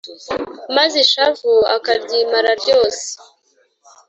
Maze ishavu ukaryimara ryose